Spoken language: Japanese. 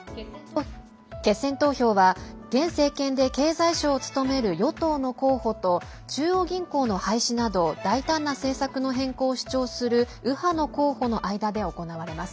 決選投票は現政権で経済省を務める与党の候補と中央銀行の廃止など大胆な政策の変更を主張する右派の候補の間で行われます。